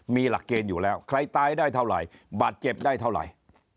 มีหลักเกณฑ์อยู่แล้วใครตายได้เท่าไหร่บาดเจ็บได้เท่าไหร่